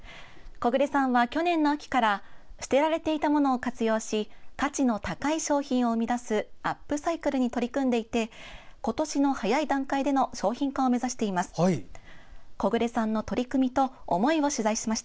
木榑さんは去年の秋から捨てられていたものを活用し価値の高い商品を生み出すアップサイクルに取り組んでいて今年の早い段階での商品化を目指しています。